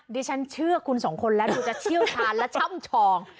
ดิฉันเชื่อคุณสองคนแล้วดูจะเชี่ยวชาญและช่ำชอง